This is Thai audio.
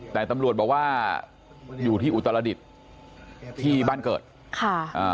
แต่ตำรวจบอกว่าอยู่ที่อุตรดิษฐ์ที่บ้านเกิดค่ะอ่า